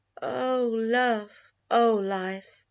Oh, Love ! oh. Life